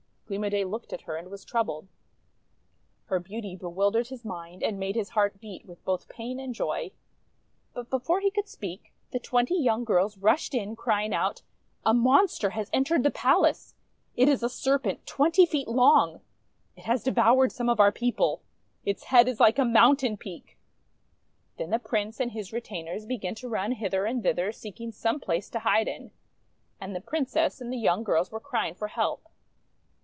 Gleam o' Day looked at her and was troubled. GLEAM O' DAY 157 Her beauty bewildered his mind and made his heart beat with both pain and joy. But before he could speak, the twenty young girls rushed in, crying out: — "A monster has entered the palace! It is a Serpent twenty feet long! It has devoured some of our people! It's head is like a mountain peak!" Then the Prince and his retainers began to run hither and thither seeking some place to hide in. And the Princess and the young girls were crying for help.